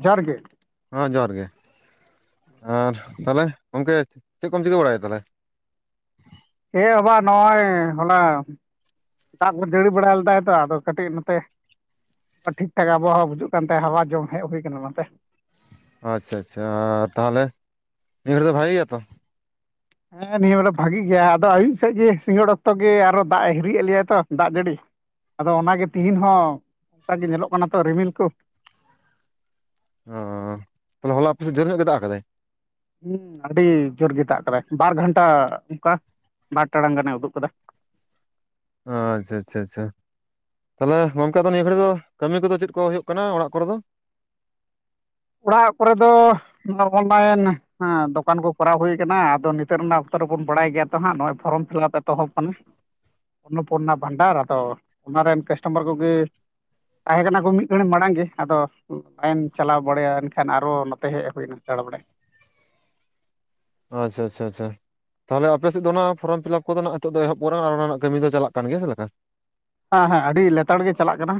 ᱡᱚᱦᱟᱨ ᱜᱮ ᱦᱚᱸ ᱡᱚᱦᱟᱨ ᱜᱮ ᱟᱨ ᱛᱟᱦᱚᱸᱞᱮ ᱜᱚᱝᱠᱮ ᱪᱮᱫ ᱠᱚᱢ ᱪᱤᱠᱟᱹ ᱵᱟᱲᱟᱭᱟ ᱛᱟᱦᱚᱞᱮ ᱪᱮ ᱦᱚᱵᱟ ᱱᱚᱜᱚᱭ ᱦᱚᱞᱟ ᱫᱟᱜ ᱠᱚ ᱡᱟᱹᱲᱤ ᱵᱟᱲᱟ ᱞᱮᱫᱟᱭ ᱛᱚ ᱟᱫᱚ ᱠᱟᱹᱴᱤᱡ ᱱᱚᱛᱮ ᱴᱷᱤᱠ ᱴᱷᱟᱠ ᱟᱵᱚᱦᱟᱣᱟ ᱵᱩᱡᱩᱜ ᱠᱟᱱ ᱛᱟᱭᱟ ᱦᱟᱣᱟ ᱡᱚᱢ ᱦᱮᱡ ᱦᱩᱭ ᱟᱠᱟᱱᱟ ᱢᱮᱱᱛᱮ ᱾ ᱟᱪᱷᱟ ᱪᱷᱟ ᱛᱟᱦᱚᱞᱮ ᱢᱤᱫ ᱜᱷᱟᱹᱲᱤᱡ ᱫᱚ ᱵᱷᱟᱹᱜᱤ ᱜᱮᱭᱟ ᱛᱚ ᱾ ᱦᱮᱸ ᱱᱤᱭᱟᱹ ᱵᱚᱞᱮ ᱵᱷᱟᱹᱜᱤ ᱜᱮᱭᱟ ᱟᱫᱚ ᱟᱭᱩᱵ ᱥᱮᱫ ᱜᱮ ᱥᱤᱸᱜᱟᱹᱲ ᱚᱠᱛᱚ ᱜᱮ ᱟᱨᱚ ᱫᱟᱜ ᱮ ᱦᱤᱨᱤ ᱮᱫ ᱞᱮᱭᱟ ᱛᱚ ᱫᱟᱜ ᱡᱟᱹᱲᱤ ᱟᱫᱚ ᱚᱱᱟ ᱜᱮ ᱛᱤᱦᱤᱧ ᱦᱚᱸ ᱚᱱᱠᱟᱜᱮ ᱧᱮᱞᱚᱜ ᱠᱟᱱᱟ ᱛᱚ ᱨᱤᱢᱤᱞ ᱠᱚ ᱚᱻ [unintelligible] ᱦᱚᱞᱟ ᱟᱯᱮ ᱥᱮ ᱡᱷᱤᱨ ᱧᱚᱜ ᱜᱮ ᱫᱟᱜ ᱟᱠᱟᱫᱟᱭ ᱦᱮᱸ ᱟᱹᱰᱤ ᱡᱩᱨ ᱜᱮ ᱫᱟᱜ ᱠᱟᱫᱟᱭ ᱵᱟᱨ ᱜᱷᱟᱱᱴᱟ ᱚᱱᱠᱟ ᱵᱟᱨ ᱴᱟᱲᱟᱝ ᱜᱟᱱᱮ ᱩᱫᱩᱜ ᱠᱟᱫᱟ ᱟᱻᱪᱟ ᱪᱟ ᱪᱟ ᱛᱟᱦᱞᱮ ᱜᱚᱝᱠᱮ ᱫᱚ ᱱᱤᱭᱟᱹ [unintelligible] ᱫᱚ ᱠᱟᱹᱢᱤ ᱠᱚᱫᱚ ᱪᱮᱫ ᱠᱚ ᱦᱩᱭᱩᱜ ᱠᱟᱱᱟ ᱚᱲᱟᱜ ᱠᱚᱨᱮ ᱫᱚ᱾ ᱚᱲᱟᱜ ᱠᱚᱨᱮ ᱫᱚ [unintelligible] ᱚᱱᱞᱟᱹᱭᱤᱱ ᱦᱮᱸ ᱫᱚᱠᱟᱱ ᱠᱚ ᱠᱚᱨᱟᱣ ᱦᱩᱭ ᱠᱟᱱᱟ ᱟᱫᱚ ᱱᱤᱛᱚᱜ ᱱᱟ ᱚᱠᱛᱚ ᱨᱮ ᱵᱚᱱ ᱵᱟᱲᱟᱭ ᱜᱮᱭᱟ᱾ ᱛᱚ ᱦᱟᱸ ᱯᱷᱚᱨᱚᱢ ᱯᱷᱤᱞᱟᱯ ᱮᱛᱚᱦᱚᱵ ᱠᱟᱱᱟ ᱚᱱᱚᱯᱩᱨᱱᱟ ᱵᱷᱟᱱᱰᱟᱨ ᱟᱫᱚ ᱚᱱᱟ ᱨᱮᱱ ᱠᱟᱥᱴᱚᱢᱟᱨ ᱠᱚᱜᱮ ᱛᱟᱦᱮᱸ ᱠᱟᱱᱟ ᱠᱚ ᱢᱤᱫ ᱜᱷᱟᱹᱲᱤᱡ ᱢᱟᱲᱟᱝ ᱜᱮ ᱟᱫᱚ ᱞᱟᱭᱤᱱ ᱪᱟᱞᱟᱣ ᱵᱟᱲᱮᱭᱟ ᱮᱱᱠᱷᱟᱱ ᱟᱨᱚ ᱱᱚᱛᱮ ᱦᱮᱡ ᱦᱩᱭᱱᱟ ᱫᱟᱲ ᱵᱟᱲᱟᱭ᱾ ᱟᱻᱪᱟ ᱪᱟ ᱪᱟ ᱛᱟᱦᱚᱸᱞᱮ ᱟᱯᱮᱥ ᱥᱮᱫ ᱫᱚ ᱚᱱᱟᱹ ᱯᱷᱚᱨᱚᱢ ᱯᱷᱤᱞᱟᱯ ᱠᱚᱫᱚᱹ ᱱᱟᱜ ᱱᱤᱛᱳ ᱫᱚ ᱮᱦᱚᱵ ᱟᱠᱟᱱᱟ ᱟᱨ ᱚᱱᱟ ᱨᱮᱱᱟᱜ ᱠᱟᱹᱢᱤ ᱫᱚ ᱪᱟᱞᱟᱜ ᱠᱟᱱ ᱜᱮᱼᱭᱟ ᱪᱮᱫᱮ ᱞᱮᱠᱟᱹ ᱦᱮᱸ ᱦᱮᱸ ᱟᱹᱰᱤ ᱞᱮᱛᱟᱲ ᱜᱮ ᱪᱟᱞᱟᱜ ᱠᱟᱱᱟ᱾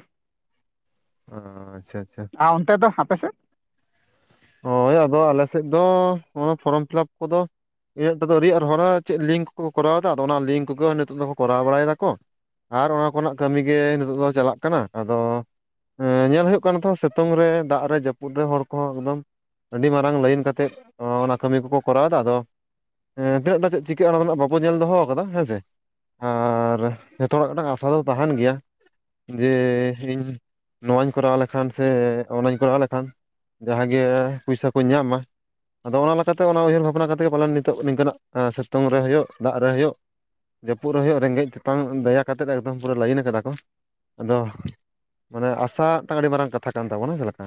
ᱚ ᱟᱪᱪᱷᱟ ᱟᱪᱪᱷᱟ᱾ ᱟᱨ ᱚᱱᱛᱮᱫ ᱫᱚ ᱦᱟᱯᱮ ᱥᱮᱫ? ᱦᱳᱭ ᱟᱼᱫᱚ ᱟᱼᱞᱮ ᱥᱮᱫ ᱫᱚ ᱚᱱᱟ ᱯᱷᱨᱚᱢ ᱯᱷᱤᱞᱟᱯ ᱠᱚᱫᱚ ᱤᱧᱟᱹᱜ ᱴ ᱫᱚ ᱟᱹᱰᱤ ᱟᱨ ᱦᱚᱲᱚᱨᱟᱜ ᱪᱮᱫ ᱞᱤᱝᱼᱠ ᱠᱚᱠᱚᱸ ᱠᱚᱨᱟᱣ ᱮᱫᱟ, ᱚᱱᱟᱹ ᱞᱤᱝᱼᱠ ᱠᱚᱹᱜᱮ ᱱᱤᱛᱚᱼᱜ ᱫᱚᱠᱚ ᱠᱚᱨᱟᱼᱣ ᱵᱟᱲᱟᱭ ᱮᱫᱟ ᱠᱚᱸ᱾ ᱟᱨ ᱚᱱᱟᱹ ᱠᱚᱹᱨᱮᱱᱟᱼᱜ ᱠᱟᱹᱢᱤᱜ ᱜᱮ ᱱᱤᱛᱚᱜ ᱫᱚ ᱪᱟᱞᱟᱜ ᱠᱟᱱᱟ, ᱟᱫᱚ ᱦᱮᱸ ᱧᱮᱞ ᱦᱩᱭᱩᱜ ᱠᱟᱱᱟ ᱛᱚ ᱥᱤᱛᱩᱝ ᱨᱮ ᱫᱟᱜ ᱨᱮ ᱡᱟᱹᱯᱩᱫ ᱨᱮ ᱦᱚᱲ ᱠᱚᱦᱚᱸ ᱮᱠᱹᱫᱚᱢ᱾ ᱟᱹᱰᱤ ᱢᱟᱨᱟᱝ ᱞᱟᱹᱭᱤᱱ ᱠᱟᱹᱛᱮᱫ ᱚᱱᱟ ᱠᱟᱹᱢᱤ ᱠᱚᱠᱚᱸ ᱠᱚᱨᱟᱼᱣ ᱮᱫᱟᱹ᱾ ᱟᱫᱚ ᱦᱮᱸ ᱛᱤᱱᱟᱹᱜᱴ ᱪᱤᱠᱟᱹᱜ ᱚᱱᱟᱹ ᱰᱮᱱᱟᱜᱱᱟᱜ ᱵᱟᱵᱚ ᱧᱮᱞ ᱫᱚᱦᱚᱣᱟ ᱠᱟᱫᱟᱹ ᱦᱮᱸ ᱥᱮ᱾ ᱟᱨ ᱡᱚᱛᱚ ᱦᱚᱲᱟᱼᱜ ᱢᱤᱫᱴᱟᱝ ᱟᱥᱟ ᱫᱚ ᱛᱟᱦᱮᱸᱱ ᱜᱮᱭᱟ᱾ ᱡᱮ ᱤᱧ ᱱᱚᱣᱟᱧ ᱠᱚᱨᱟᱣ ᱞᱮᱹᱠᱷᱟᱱ ᱥᱮ ᱚᱱᱟᱧ ᱠᱚᱨᱟᱼᱣ ᱞᱮᱹᱠᱷᱟᱱ ᱡᱟᱦᱟᱸ ᱜᱮ ᱯᱚᱭᱥᱟᱹ ᱠᱚ ᱧᱟᱢᱟᱹ᱾ ᱟᱼᱫᱚ ᱚᱱᱟᱹ ᱞᱮᱠᱟᱛᱮ ᱚᱱᱟᱹ ᱩᱭᱦᱟᱹᱨ ᱵᱷᱟᱵᱽᱱᱟ ᱠᱟᱛᱮᱫ ᱜᱮ ᱯᱟᱞᱮᱱ ᱱᱤᱛᱚᱼᱜ ᱱᱤᱝᱹᱠᱟᱹᱱᱟᱜ ᱥᱤᱛᱩᱝ ᱨᱮ ᱦᱩᱭᱩᱜ ᱫᱟᱜ ᱨᱮ ᱦᱩᱭᱩᱜᱹ ᱡᱟᱹᱯᱩᱫ ᱨᱮ ᱦᱩᱭᱩᱜᱹ ᱨᱮᱸᱜᱮᱡ ᱛᱮᱛᱟᱝ ᱫᱟᱭᱟ ᱠᱟᱹᱛᱮᱫ ᱮᱠᱫᱚᱢ ᱯᱩᱨᱟᱹ ᱞᱟᱭᱤᱱ ᱠᱟᱫᱟᱹ ᱠᱚ ᱟᱫᱚ᱾ ᱢᱟᱹᱱᱮ ᱟᱥᱟᱹ ᱢᱤᱫᱴᱟᱝ ᱟᱹᱰᱤ ᱢᱟᱨᱟᱝ ᱠᱟᱛᱷᱟᱹ ᱠᱟᱱ ᱛᱟᱵᱚᱱᱟᱹ ᱪᱮᱞᱮᱠᱟ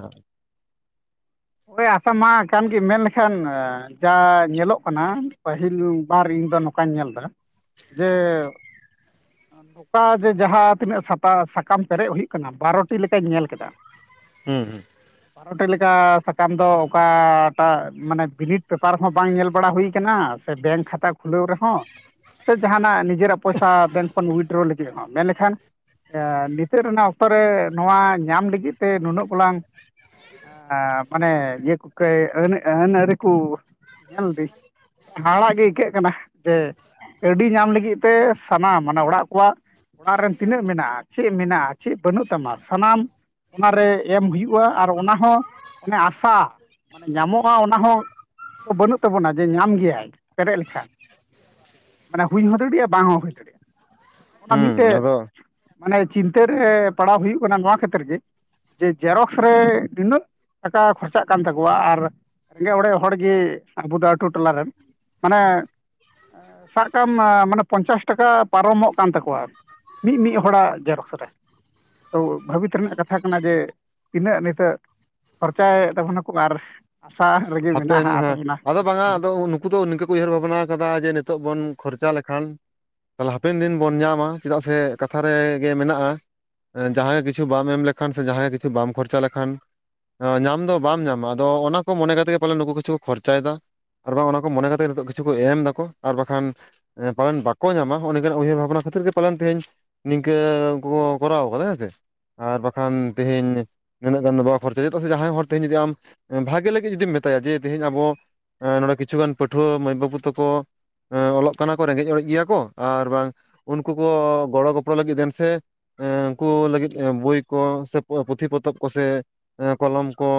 ᱦᱳᱭ ᱟᱥᱟ ᱢᱟ ᱠᱟᱱ ᱜᱮ ᱢᱮᱱ ᱞᱮᱹᱠᱷᱟᱱ ᱡᱟ ᱧᱮᱞᱚᱜ ᱠᱟᱱᱟ ᱯᱟᱹᱦᱤᱞ ᱵᱟᱨ ᱤᱧ ᱫᱚ ᱱᱚᱠᱟᱹ ᱚᱠᱟᱧ ᱧᱮᱞ ᱮᱫᱟᱹ ᱡᱮᱸ ᱱᱚᱝᱹᱠᱟ ᱡᱮ ᱡᱟᱦᱟᱸ ᱛᱤᱱᱟᱹᱜ ᱥᱟᱛᱟ ᱥᱟᱠᱟᱢ ᱯᱮᱨᱮᱡ ᱦᱩᱭᱩᱜᱹ ᱠᱟᱱᱟ, ᱵᱟᱨᱚᱴᱤ ᱞᱮᱠᱟᱧ ᱧᱮᱞ ᱠᱮᱫᱟ᱾ ᱦᱮᱸ ᱦᱮᱸ ᱯᱟᱨᱚᱴ ᱞᱮᱠᱟᱹ ᱥᱟᱠ ᱠᱟᱱ ᱫᱚ ᱚᱠᱟᱴᱟᱜᱹ ᱢᱟᱹᱱᱮ ᱵᱤᱞᱤᱰ ᱯᱮᱯᱟᱨ ᱦᱚᱸ ᱵᱟᱝ ᱧᱮᱞ ᱵᱟᱲᱟ ᱦᱩᱭ ᱟᱸᱠᱟᱱᱟ ᱥᱮ ᱵᱮᱝᱠ ᱠᱷᱟᱛᱟ ᱠᱷᱩᱞᱟᱹᱣ ᱨᱮᱦᱚᱸ ᱥᱮ ᱡᱟᱦᱟᱸᱱᱟᱜ ᱱᱤᱡᱮᱨᱟᱜ ᱯᱚᱭᱥᱟᱹ ᱵᱮᱝᱠ ᱠᱷᱚᱱ ᱩᱭᱰᱨᱚ ᱞᱟᱹᱜᱤᱫ ᱨᱮᱦᱚᱸ ᱢᱮᱱ ᱞᱮᱠᱷᱟᱱ ᱦᱮᱸ ᱱᱤᱛᱚᱜ ᱨᱮᱱᱟᱜ ᱚᱠᱛᱚ ᱨᱮ ᱱᱚᱣᱟᱹ ᱧᱟᱢ ᱞᱟᱹᱜᱤᱫ ᱛᱮ ᱱᱩᱱᱟᱹᱜ ᱜᱚᱞᱟᱝ ᱢᱟᱱᱮ ᱤᱭᱟᱹ ᱠᱚ ᱟᱹᱱ ᱟᱹᱱ ᱟᱹᱨᱤ ᱠᱚ ᱧᱮᱞ ᱫᱤ ᱦᱟᱦᱟ ᱲᱟᱜ ᱜᱮ ᱟᱹᱭᱠᱟᱹᱜ ᱠᱟᱱᱟ ᱡᱮ ᱠᱟᱹᱰᱤ ᱧᱟᱢ ᱞᱟᱹᱜᱤᱫ ᱛᱮ ᱥᱟᱱᱟᱢ ᱢᱟᱱᱮ ᱚᱲᱟᱜ ᱠᱚᱣᱟᱜ ᱚᱲᱟᱜ ᱨᱮᱱ ᱛᱤᱱᱟᱹᱜ ᱢᱮᱱᱟᱜᱼᱟ ᱪᱮᱫ ᱢᱮᱱᱟᱜᱼᱟ ᱪᱮᱫ ᱵᱟᱹᱱᱩᱜ ᱛᱟᱢᱟ ᱥᱟᱱᱟᱢ ᱚᱱᱟᱨᱮ ᱮᱢ ᱦᱩᱭᱩᱜᱼᱟ ᱟᱨ ᱚᱱᱟ ᱦᱚᱸ ᱚᱱᱮ ᱟᱥᱟ ᱢᱟᱱᱮ ᱧᱟᱢᱚᱜᱼᱟ ᱚᱱᱟ ᱦᱚᱸ ᱵᱟᱹᱱᱩᱜ ᱛᱟᱵᱚ ᱱᱟ ᱡᱮ ᱧᱟᱢ ᱜᱮᱭᱟᱭ, ᱯᱮᱨᱮᱡ ᱞᱮ ᱠᱷᱟᱱ᱾ ᱢᱟᱱᱮ ᱦᱩᱭ ᱦᱚᱸ ᱫᱟᱲᱮᱭᱟᱜᱼᱟ ᱵᱟᱝ ᱦᱚᱸ ᱦᱩᱭ ᱫᱟᱲᱮᱭᱟᱜᱼᱟ ᱱᱚᱜᱼ ᱱᱟ ᱢᱤᱫ ᱦᱩᱸ ᱴᱮᱡ ᱟᱫᱚ ᱢᱟᱱᱮ ᱪᱤᱱᱛᱟᱹ ᱨᱮ ᱯᱟᱲᱟᱣ ᱦᱩᱭᱩᱜ ᱠᱟᱱᱟ ᱱᱚᱣᱟ ᱠᱷᱟᱹᱛᱤᱨ ᱜᱮ, ᱡᱮ, ᱡᱮᱨᱚᱠᱥ ᱨᱮ ᱱᱤᱱᱟᱹᱜ? ᱴᱟᱠᱟ ᱠᱷᱚᱨ ᱪᱟᱜ ᱠᱟᱱ ᱛᱟᱠᱚ ᱣᱟ ᱟᱨ ᱨᱮᱸᱜᱮᱡ ᱚᱲᱮᱡ ᱦᱚᱲ ᱜᱮ ᱟᱵᱚ ᱫᱚ ᱟᱛᱳ ᱴᱚᱞᱟ ᱨᱮᱱ᱾ ᱢᱟᱱᱮ ᱥᱟᱜ ᱠᱟᱜᱼᱟᱢ ᱢᱟᱱᱮ ᱯᱚᱧᱪᱟᱥ ᱴᱟᱠᱟ ᱯᱟᱨᱚ ᱢᱚᱜ ᱠᱟᱱ ᱛᱟᱠᱚ ᱣᱟ ᱟᱨ ᱢᱤᱫ- ᱢᱤᱫ ᱦᱚᱲᱟᱜ ᱡᱮᱨᱚᱠᱥ ᱨᱮ ᱾ ᱛᱚ ᱵᱷᱟᱹᱵᱤᱛ ᱨᱮᱱᱟᱜ ᱠᱟᱛᱷᱟ ᱠᱟᱱᱟ ᱡᱮ, ᱛᱤᱱᱟᱹᱜ ᱱᱤᱛᱟᱹᱜ? ᱠᱷᱚᱨᱪᱟᱭᱮᱫ ᱛᱟᱵᱚᱱᱟᱠᱚ ᱟᱨ ᱟᱥᱟ - - ᱦᱟᱯᱮᱱ ᱦᱮᱸ, ᱟᱫᱚ ᱵᱟᱝᱟ ᱟᱫᱚ ᱩᱱᱼᱼ ᱩᱱᱠᱩ ᱫᱚ ᱱᱤᱝᱠᱟᱹ ᱠᱚ ᱩᱭᱦᱟᱹᱨ ᱵᱷᱟᱵᱽᱱᱟ ᱟᱠᱟᱫᱟ, ᱡᱮ ᱱᱤᱛᱚᱜ ᱵᱚᱱ ᱠᱷᱚᱨᱪᱟ ᱞᱮᱠᱷᱟᱱ? ᱛᱟᱦᱞᱮ ᱦᱟᱯᱮᱱ ᱫᱤᱱ ᱵᱚᱱ ᱧᱟᱢᱟ, ᱪᱮᱫᱟᱜ ᱥᱮ ᱠᱟᱛᱷᱟ ᱨᱮᱜᱮ ᱢᱮᱱᱟᱜᱼᱟ ᱾ ᱡᱟᱦᱟᱸᱭᱭᱟᱜ ᱠᱤᱪᱷᱩ ᱵᱟᱢ ᱮᱢ ᱞᱮᱠᱷᱟᱱ, ᱥᱮ ᱡᱟᱦᱟᱸᱭᱟᱜ ᱠᱤᱪᱷᱩ ᱵᱟᱢ ᱠᱷᱚᱨᱪᱟ ᱞᱮᱠᱷᱟᱱ ᱾ ᱧᱟᱢ ᱫᱚ ᱵᱟᱢ ᱧᱟᱢᱟ ᱟᱫᱚ ᱚᱱᱟ ᱠᱚ ᱢᱚᱱᱮ ᱠᱟᱛᱮ ᱜᱮ ᱯᱟᱞᱮ ᱱᱩᱠᱩ ᱠᱤᱪᱷᱩ ᱠᱚ ᱠᱷᱚᱨᱪᱟᱭᱮᱫᱟ ᱾ ᱟᱨ ᱵᱟᱝ ᱚᱱᱟ ᱠᱚ ᱢᱚᱱᱮ ᱠᱟᱛᱮᱫ ᱱᱤᱛᱚᱜ ᱠᱤᱪᱷᱩ ᱠᱚ ᱮᱢ ᱫᱟᱠᱚ ᱟᱨ ᱵᱟᱠᱷᱟᱱ ᱮᱸ ᱯᱟᱞᱮᱱ ᱵᱟᱠᱚ ᱧᱟᱢᱟ ᱦᱚᱸ ᱱᱤᱝᱠᱟᱹᱱ ᱩᱭᱦᱟᱹᱨ ᱵᱷᱟᱵᱽᱱᱟ ᱠᱷᱛᱤᱨ ᱜᱮ ᱯᱟᱞᱮᱱ ᱛᱮᱦᱤᱧ ᱱᱤᱝᱠᱟᱹ ᱩᱱᱠᱩ ᱠᱚ ᱠᱚᱨᱟᱣ ᱠᱟᱫᱟ ᱦᱮᱸ ᱥᱮ ᱟᱨ ᱵᱟᱠᱷᱟᱱ ᱛᱮᱦᱮᱧ, ᱱᱤᱱᱟᱹᱜ ᱜᱟᱱ ᱫᱚ ᱵᱟᱝ ᱠᱷᱚᱨᱪᱟ ᱪᱮᱫᱟᱜ ᱥᱮ ᱡᱟᱦᱟᱸᱭ ᱦᱚᱲ ᱛᱮᱦᱮᱧ ᱡᱩᱫᱤ ᱟᱢ ᱵᱷᱟᱜᱮ ᱞᱟᱹᱜᱤᱫ ᱡᱩᱫᱤ ᱢᱮᱛ ᱛᱟᱭᱟ ᱡᱮ ᱛ ᱛᱮᱦᱤᱧ ᱟᱵᱚ ᱮ ᱱᱚᱰᱮ ᱠᱤᱷᱩᱜᱟᱱ ᱯᱟᱹᱴᱷᱩᱣᱟᱹ ᱢᱟᱹᱭ ᱵᱟᱹᱵᱩ ᱛᱟᱠᱚ ᱮᱸ ᱚᱞᱚᱜ ᱠᱟᱱᱟ ᱠᱚ ᱨᱮᱸᱜᱮᱡᱼᱚᱨᱮᱡ ᱜᱮᱭᱟ ᱠᱚ ᱟᱨ ᱵᱟᱝ ᱩᱱᱠᱩ ᱠᱚ ᱜᱚᱲᱚ ᱜᱚᱯᱚᱲᱚ ᱞᱟᱹᱜᱤᱫ ᱫᱮᱱ ᱥᱮ ᱮᱸ ᱩᱱᱠᱩ ᱞᱟᱹᱜᱤᱫ ᱮᱸ ᱵᱳᱭ ᱠᱚ ᱥᱮ ᱯᱩᱛᱷᱤ ᱯᱚᱛᱚᱵ ᱠᱚᱥᱮ ᱮᱸ ᱠᱚᱞᱚᱢ ᱠᱚ,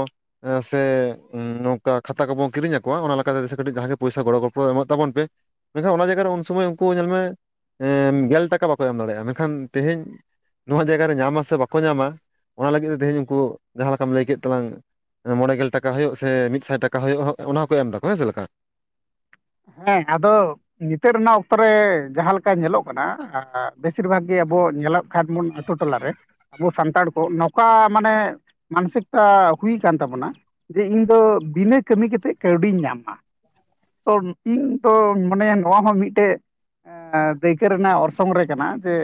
ᱦᱮᱸ ᱥᱮ ᱠᱟ ᱠᱷᱟᱛᱟ ᱠᱚᱵᱚ ᱠᱤᱨᱤᱧ ᱟᱠᱚᱣᱟ ᱚᱱᱟ ᱞᱮᱠᱟᱛᱮ ᱫᱮᱥᱮ ᱠᱟᱹᱴᱤᱡ ᱡᱟᱦᱟᱸᱭ ᱜᱮ ᱯᱚᱭᱥᱟ ᱜᱚᱲᱚ ᱜᱚᱯᱚ ᱮᱢᱚᱜ ᱛᱟᱵᱚᱱ ᱯᱮ, ᱢᱮᱱᱠᱷᱟᱱ ᱚᱱᱟ ᱡᱟᱭᱜᱟ ᱨᱮ ᱩᱱ ᱥᱚᱢᱚᱭ ᱩᱱᱠᱩ ᱧᱮᱞᱢᱮ ᱮᱸ ᱜᱮᱞ ᱴᱟᱠᱟ ᱵᱟᱠᱚ ᱮᱢ ᱫᱟᱲᱮᱭᱟᱜᱼᱟ ᱢᱮᱱᱠᱷᱟᱱ ᱛᱮᱦᱮᱧ, ᱱᱚᱣᱟ ᱡᱟᱭᱜᱟ ᱨᱮ ᱧᱟᱢᱟ ᱥᱮ ᱵᱟᱠᱚ ᱧᱟᱢᱟ ᱚᱱᱟ ᱞᱟᱹᱜᱤᱫ ᱛᱮ ᱛᱮᱦᱮᱧ ᱩᱱᱠᱩ ᱡᱟᱦᱟᱸ ᱞᱮᱠᱟᱢ ᱞᱟᱹᱭ ᱠᱮᱫ ᱛᱟᱞᱟᱝ ᱢᱚᱬᱮ ᱜᱮᱞ ᱴᱟᱠᱟ ᱦᱩᱭᱩᱜ ᱥᱮ ᱢᱤᱫ ᱥᱟᱭ ᱴᱟᱠᱟ ᱦᱩᱭᱩᱜ ᱚᱱᱟ ᱦᱚᱸᱠᱚ ᱮᱢ ᱫᱟᱠᱚ ᱦᱮᱸ ᱪᱮᱫ ᱞᱮᱠᱟ? ᱦᱮᱸ ᱟᱫᱚ ᱱᱤᱛᱚᱜ ᱨᱮᱱᱟᱜ ᱚᱠᱛᱚ ᱨᱮ ᱡᱟᱦᱟᱸ ᱞᱮᱠᱟ ᱧᱮᱞᱚᱜ ᱠᱟᱱᱟ ᱵᱮᱥᱤᱨ ᱵᱷᱟᱜ ᱜᱮ ᱟᱵᱚ ᱧᱮᱞᱚᱜ ᱠᱷᱷᱟᱴᱢᱩᱱ ᱟᱛᱳ ᱴᱚᱞᱟ ᱨᱮ ᱟᱵᱚ ᱥᱟᱱᱛᱟᱲ ᱠᱚ ᱱᱚᱝᱠᱟ ᱢᱟᱱᱮ ᱢᱟᱱᱚᱥᱤᱠᱚᱛᱟ ᱦᱩᱭ ᱠᱟᱱ ᱛᱟᱵᱚᱱᱟ᱾ ᱡᱮ ᱤᱧ ᱫᱚ ᱵᱤᱱᱟᱹ ᱠᱟᱹᱢᱤ ᱠᱟᱛᱮᱫ ᱠᱟᱹᱣᱰᱤᱧ ᱧᱟᱢᱟ᱾ ᱛᱚ ᱴᱤᱧ ᱛᱚ ᱢᱚᱱᱮᱭᱟ ᱱᱚᱣᱟ ᱦᱚᱸ ᱢᱤᱫᱴᱮᱡ ᱮᱸᱻ ᱫᱟᱹᱭᱠᱟᱹ ᱨᱮᱱᱟᱜ ᱚᱨᱥᱚᱝ ᱨᱮ ᱠᱟᱱᱟ ᱡᱮ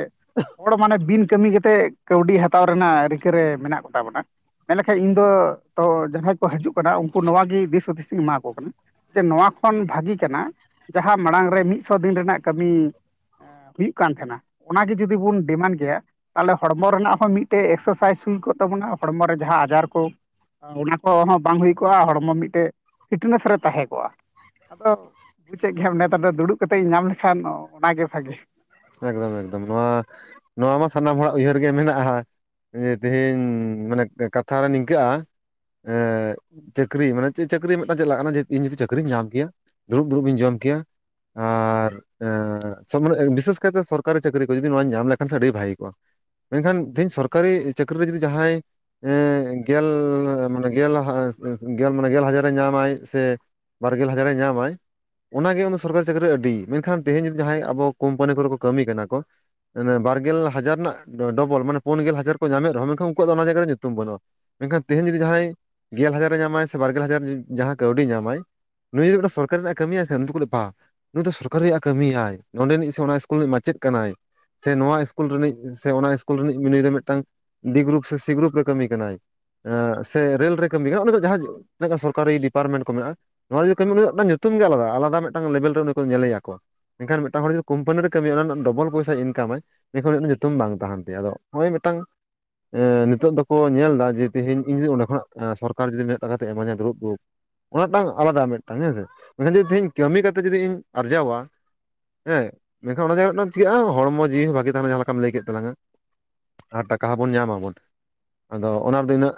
ᱦᱚᱲ ᱢᱟᱱᱮ ᱵᱤᱱ ᱠᱟᱹᱢᱤ ᱠᱟᱛᱮ ᱠᱟᱹᱣᱰᱤ ᱦᱟᱛᱟᱣ ᱨᱮᱱᱟᱜ ᱨᱤᱠᱟᱹ ᱨᱮ ᱢᱮᱱᱟᱜ ᱠᱚᱛᱟ ᱵᱚᱱᱟ᱾ ᱢᱮᱱ ᱞᱮᱠᱷᱟᱱ ᱤᱧ ᱫᱚ ᱛᱚ ᱡᱟᱦᱟᱸᱭ ᱠᱚ ᱦᱤᱡᱩᱜ ᱠᱟᱱᱟ ᱩᱱᱠᱩ ᱱᱚᱣᱟ ᱜᱮ ᱫᱤᱥ ᱦᱩᱫᱤᱥ ᱤᱧ ᱮᱢᱟ ᱠᱚ ᱠᱟᱱᱟ᱾ ᱡᱮ ᱱᱚᱣᱟ ᱠᱷᱚᱱ ᱵᱷᱟᱜᱤ ᱠᱟᱱᱟ ᱡᱟᱦᱟᱸ ᱢᱟᱲᱟᱝ ᱨᱮ ᱢᱤᱫᱥᱚ ᱫᱤᱱ ᱨᱮᱱᱟᱜ ᱠᱟᱹᱢᱤ, ᱦᱩᱭᱩᱜ ᱠᱟᱱ ᱛᱟᱦᱮᱱᱟ ᱚᱱᱟᱜᱮ ᱡᱩᱫᱤ ᱵᱚᱱ ᱰᱤᱢᱟᱱᱰ ᱠᱮᱭᱟ᱾ ᱛᱟᱦᱚᱞᱮ ᱦᱚᱲᱢᱚ ᱨᱮᱱᱟᱜ ᱦᱚᱸ ᱢᱤᱫᱴᱮᱡ ᱮᱠᱥᱟᱨᱮᱥᱟᱭᱤᱡᱽ ᱦᱩᱭ ᱠᱚᱜ ᱛᱟᱵᱚᱱᱟ ᱦᱚᱲᱢᱚ ᱨᱮ ᱡᱟᱦᱟᱸ ᱟᱡᱟᱨ ᱠᱚ, ᱚᱱᱟ ᱠᱚᱦᱚᱸ ᱵᱟᱝ ᱦᱩᱭ ᱠᱚᱜᱼᱟ ᱦᱚᱲᱢᱚ ᱢᱤᱫᱴᱮᱡ ᱯᱷᱤᱴᱱᱮᱥ ᱨᱮ ᱛᱟᱦᱮᱸ ᱠᱚᱜᱼᱟ᱾ ᱟᱫᱚ ᱵᱩᱡᱮᱫ ᱜᱮᱭᱟᱢ ᱱᱮᱛᱟᱨ ᱫᱚ ᱫᱩᱲᱩᱵ ᱠᱟᱛᱮ ᱤᱧ ᱧᱟᱢ ᱞᱮᱠᱷᱟᱱ ᱚᱱᱟᱜᱮ ᱵᱷᱟᱜᱮ ᱮᱠᱫᱚᱢ ᱮᱠᱫᱚᱢ ᱱᱚᱣᱟ ᱱᱚᱣᱟ ᱢᱟ ᱥᱟᱱᱟᱢ ᱦᱚᱲᱟᱜ ᱩᱭᱦᱟᱹᱨ ᱜᱮ ᱢᱮᱱᱟᱜᱼᱟ ᱮ ᱛᱮᱦᱮᱧ ᱢᱟᱱᱮ ᱠᱟᱛᱷᱟᱨᱮ ᱱᱤᱝᱠᱟᱹᱜᱼᱟ᱾ ᱮ ᱪᱟᱹᱠᱨᱤ ᱢᱟᱱᱮ ᱪᱮᱫ ᱪᱟᱹᱠᱨᱤ ᱢᱤᱫᱴᱟᱝ ᱪᱮᱫ ᱞᱟᱜ ᱠᱟᱱᱟ ᱤᱧ ᱡᱩᱫᱤ ᱪᱟᱹᱠᱨᱤᱧ ᱧᱟᱢ ᱠᱮᱭᱟ᱾ ᱫᱩᱲᱩᱵ ᱫᱩᱲᱩᱵ ᱵᱤᱱ ᱡᱚᱢ ᱠᱮᱭᱟ ᱟᱨᱚᱵ ᱢᱟᱱᱮ ᱵᱤᱥᱮᱥ, ᱪᱮᱠᱟᱛᱮ ᱥᱚᱨᱠᱟᱨᱤ ᱪᱟᱹᱠᱨᱤ ᱠᱚ ᱡᱚᱫᱤ ᱱᱚᱣᱟ ᱧᱟᱢ ᱞᱮᱠᱷᱟᱱ ᱟᱹᱰᱤ ᱵᱷᱟᱹᱜᱤ ᱠᱚᱜᱼᱟ ᱢᱮᱱᱠᱷᱟᱱ ᱛᱮᱦᱤᱧ ᱥᱚᱨᱠᱟᱨᱤ ᱪᱟᱹᱠᱨᱤ ᱨᱮ ᱡᱩᱫᱤ ᱡᱟᱦᱟᱸᱭ ᱦᱮᱸ ᱜᱮᱞ ᱢᱟᱱᱮ ᱜᱮᱞ ᱜᱮᱞ ᱢᱟᱱᱮ ᱜᱮᱞ ᱦᱟᱡᱟᱨᱮ ᱧᱟᱢᱟᱭ ᱥᱮ ᱵᱟᱨᱜᱮᱞ ᱦᱟᱡᱟᱨ ᱮ ᱧᱟᱢᱟᱭ᱾ ᱚᱱᱟᱜᱮ ᱫᱚ ᱥᱚᱨᱠᱟᱨᱤ ᱪᱟᱹᱠᱨᱤ ᱟᱹᱰᱤ ᱢᱮᱱᱠᱷᱟᱱ ᱛᱮᱦᱮᱧ ᱡᱟᱦᱟᱸᱭ ᱟᱵᱚ ᱠᱳᱢᱯᱟᱱᱤ ᱠᱚᱨᱮ ᱠᱚ ᱠᱟᱹᱢᱤ ᱠᱟᱱᱟ ᱠᱚ, ᱵᱟᱨᱜᱮᱞ ᱦᱟᱡᱟᱨ ᱨᱮᱱᱟᱜ ᱰᱚᱵᱚᱞ ᱢᱟᱱᱮ ᱯᱩᱱ ᱜᱮᱞ ᱦᱟᱡᱟᱨ ᱠᱚ ᱧᱟᱢᱮᱫ ᱨᱮᱦᱚᱸ ᱢᱮᱱᱠᱷᱟᱱ ᱩᱱᱠᱩᱣᱟᱜ ᱫᱚ ᱚᱱᱟ ᱡᱟᱭᱜᱟ ᱨᱮᱭᱟᱜ ᱧᱩᱛᱩᱢ ᱵᱟᱹᱱᱩᱜᱼᱟ᱾ ᱢᱮᱱᱠᱷᱟᱱ ᱛᱮᱦᱤᱧ ᱡᱩᱫᱤ ᱡᱟᱦᱟᱸᱭ ᱜᱮᱞ ᱦᱟᱡᱟᱨ ᱮ ᱧᱟᱢᱟᱭ ᱥᱮ ᱵᱟᱨᱜᱮᱞ ᱦᱟᱡᱟᱨ ᱡᱟᱦᱟᱸᱭ ᱠᱟᱹᱣᱰᱤᱤᱭ ᱧᱟᱢᱟᱭ, ᱱᱩᱭ ᱢᱤᱫᱴᱮᱱ ᱥᱚᱨᱠᱟᱨᱤ ᱨᱮᱭᱟᱜ ᱠᱟᱹᱢᱤᱭᱟᱭ ᱥᱮ ᱩᱱᱤ ᱫᱚ ᱠᱚᱯᱟ ᱱᱩᱭ ᱫᱚ ᱥᱚᱨᱠᱟᱨ ᱨᱮᱭᱟᱜ ᱠᱟᱹᱢᱤᱭᱟᱭ ᱱᱚᱸᱰᱮᱱᱤᱡ ᱥᱮ ᱚᱱᱟ ᱤᱥᱠᱩᱞ ᱨᱤᱱᱤᱡ ᱢᱟᱪᱮᱫ ᱠᱟᱱᱟᱭ ᱥᱮ ᱱᱚᱣᱟ ᱤᱥᱠᱩᱞ ᱨᱤᱱᱤᱡ ᱥᱮ ᱚᱱᱟ ᱤᱥᱠᱩᱞ ᱨᱤᱱᱤᱡ ᱱᱩᱭ ᱫᱚ ᱢᱤᱫᱴᱟᱝ ᱰᱤ ᱜᱚᱨᱩᱯ ᱥᱮ ᱥᱤ ᱜᱚᱨᱩᱯ ᱨᱮ ᱠᱟᱹᱢᱤ ᱠᱟᱱᱟᱭ᱾ ᱥᱮ ᱨᱮᱞ ᱨᱮ ᱠᱟᱹᱢᱤ ᱠᱟᱱᱟ ᱚᱰᱮ ᱡᱟᱦᱟᱸ ᱛᱤᱱᱟᱹ ᱜᱟᱱ ᱥᱚᱨᱠᱟᱨᱤ ᱰᱤᱯᱟᱨᱴᱢᱮᱱᱴ ᱠᱚ ᱢᱮᱱᱟᱜ-ᱟ ᱱᱚᱣᱟ ᱡᱩᱫᱤ ᱠᱟᱹᱢᱤ ᱩᱱᱤ ᱧᱩᱛᱩᱢ ᱜᱮ ᱟᱞᱟᱫᱟ ᱟᱞᱟᱫᱟ ᱢᱤᱫᱴᱟᱝ ᱞᱮᱵᱮᱞ ᱨᱮ ᱩᱱᱤ ᱠᱚ ᱧᱮᱞᱮᱭᱟᱠᱚᱣᱟ ᱢᱮᱱᱠᱷᱟᱱ ᱢᱤᱫᱟᱝ ᱦᱚᱲ ᱡᱩᱫᱤ ᱠᱢᱯᱟᱱᱤ ᱨᱮ ᱠᱟᱹᱢᱤ ᱚᱱᱟ ᱨᱮᱱᱟᱜ ᱰᱚᱵᱚᱞ ᱯᱚᱭᱥᱟᱭ ᱤᱱᱠᱟᱢᱟᱭ ᱢᱮᱱᱠᱷᱟ ᱩᱱᱤᱭᱟᱜ ᱫᱚ ᱧᱩᱛᱩᱢ ᱵᱟᱝ ᱛᱟᱦᱮᱱ ᱛᱟᱭᱟ ᱟᱫᱚ ᱦᱚᱜ-ᱚᱭ ᱢᱮᱫᱴᱟᱝ ᱱᱤᱛᱳᱚᱜ ᱫᱚᱠᱚ ᱧᱮᱞ ᱮᱫᱟ ᱡᱮ ᱛᱮᱦᱤᱧ ᱤᱧ ᱡᱩᱫᱤ ᱚᱸᱰᱮ ᱠᱷᱚᱱᱟᱜ ᱥᱚᱨᱠᱟᱨ ᱡᱩᱫᱤ ᱱᱤᱱᱟᱹ ᱴᱟᱠᱟ ᱛᱮᱭ ᱤᱢᱟᱹᱧᱟ ᱫᱩᱲᱩᱵ ᱫᱩᱲᱩᱵ, ᱚᱱᱟᱴᱟᱝ ᱟᱞᱟᱫᱟ ᱢᱤᱫᱴᱟᱝ ᱦᱮᱸᱥᱮ ᱢᱮᱱᱠᱷᱟᱱ ᱡᱩᱤᱧ ᱠᱟᱹᱢᱤ ᱠᱟᱛᱮ ᱡᱩᱫᱤ ᱤᱧ ᱟᱨᱡᱟᱣᱟ ᱦᱮᱸ ᱢᱮᱱᱠᱷᱟᱱ ᱚᱱᱟ ᱡᱮ ᱪᱤᱠᱟᱹᱜᱼᱟ ᱦᱚᱲᱢᱚ ᱡᱤᱣᱤ ᱦᱚᱸ ᱵᱷᱟᱹᱜᱤ ᱛᱟᱦᱮᱱᱟ ᱡᱟᱦᱟᱸ ᱞᱮᱠᱟᱢ ᱞᱟᱹᱭ ᱠᱮᱫ ᱛᱟᱞᱟᱝᱼᱟ᱾ ᱟᱨ ᱴᱟᱠᱟ ᱦᱚᱸᱵᱚᱱ ᱧᱟᱢ ᱟᱵᱚᱱ ᱟᱫᱚ ᱚᱱᱟ ᱨᱮᱫᱚ ᱤᱱᱟᱹᱜ